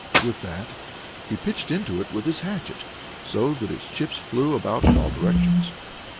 With that he pitched into it with his hatchet, so that its chips flew about in all directions.